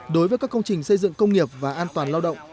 đối với các công trình xây dựng công nghiệp và an toàn lao động